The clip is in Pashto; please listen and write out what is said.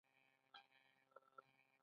د پوهنتون او بازار ژبه باید سره نږدې وي.